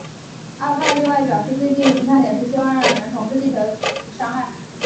阿帕另外表示最近一次探险是希望让人们重视全球气候变迁对喜玛拉雅山的伤害。